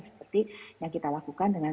seperti yang kita lakukan dengan